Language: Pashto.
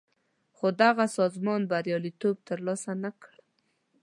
خو دغه سازمان بریالیتوب تر لاسه نه کړ.